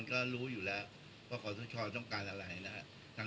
อทรงค์เฉพาะ